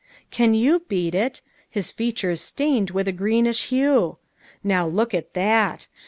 Can you beat it? His features stained with a greenish hue! Now look at that!